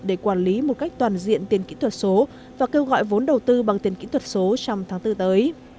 để quản lý một cách toàn diện tiền kỹ thuật số và kêu gọi vốn đầu tư bằng tiền kỹ thuật số trong tháng bốn tới